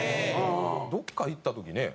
どっか行った時ね